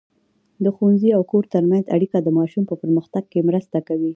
د ښوونځي او کور ترمنځ اړیکه د ماشوم په پرمختګ کې مرسته کوي.